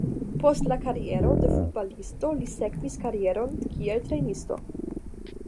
Post la kariero de futbalisto, li sekvis karieron kiel trejnisto.